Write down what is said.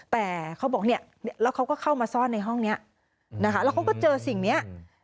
แต่เขาบอกเนี่ยแล้วเขาก็เข้ามาซ่อนในห้องนี้นะคะแล้วเขาก็เจอสิ่งนี้